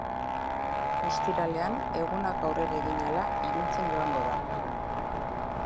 Ostiralean, egunak aurrera egin ahala iluntzen joango da.